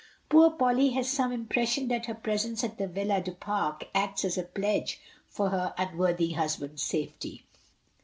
Poor Polly has some impression that her presence at the Villa du Pare acts as a pledge for her un worthy husband's safety.